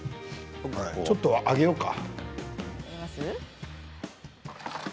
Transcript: ちょっと上げようか。